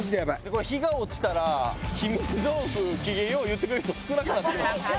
これ日が落ちたらひみつ道具機嫌よう言ってくれる人少なくなってきます。